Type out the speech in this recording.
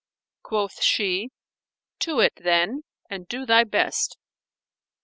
Quoth she, "To it, then, and do thy best."